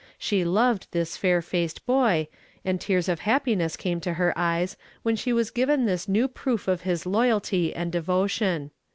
She loved this fair faced boy, and tears of happiness came to her eyes when she was given this new proof of his loyalty and devotion.